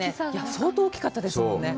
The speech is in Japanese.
相当大きかったですもんね。